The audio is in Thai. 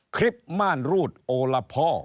คลิปม่านรูดโอละพอ